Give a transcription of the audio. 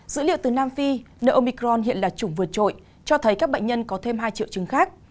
dữ liệu từ nam phi ne omicron hiện là chủng vượt trội cho thấy các bệnh nhân có thêm hai triệu chứng khác